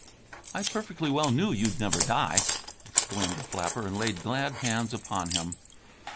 "I perfectly well knew you'd never die," exclaimed the flapper, and laid glad hands upon him.